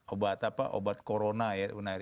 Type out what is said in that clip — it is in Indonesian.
obat apa obat corona ya unair